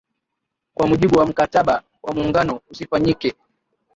kwa mujibu wa Mkataba wa Muungano usifanyike